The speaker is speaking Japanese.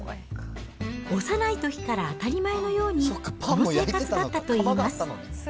幼いときから当たり前のように、この生活だったといいます。